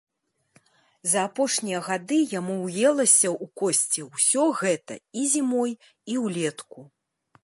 За апошнія гады яму ўелася ў косці ўсё гэта і зімой, і ўлетку.